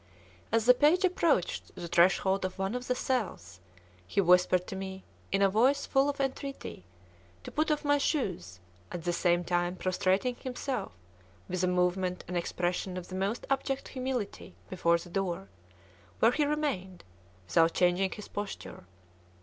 As the page approached the threshold of one of the cells, he whispered to me, in a voice full of entreaty, to put off my shoes; at the same time prostrating himself with a movement and expression of the most abject humility before the door, where he remained, without changing his posture.